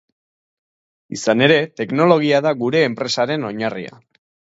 Izan ere, teknologia da gure enpresaren oinarria.